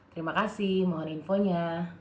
terima kasih mohon infonya